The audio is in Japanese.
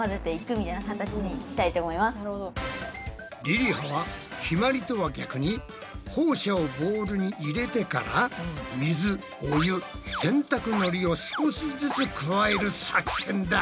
りりははひまりとは逆にホウ砂をボウルに入れてから水お湯洗濯のりを少しずつ加える作戦だ。